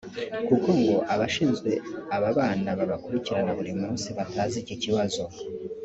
kuko ngo abashinzwe aba bana babakurikirana buri munsi batazi iki kibazo